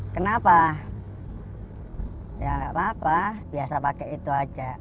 kenapa ya nggak apa apa biasa pakai itu aja